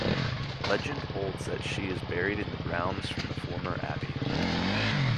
Legend holds that she is buried in the grounds of the former Abbey.